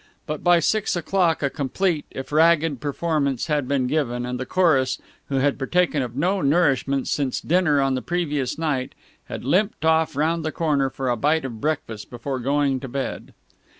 But by six o'clock a complete, if ragged, performance had been given, and the chorus, who had partaken of no nourishment since dinner on the previous night, had limped off round the corner for a bite of breakfast before going to bed.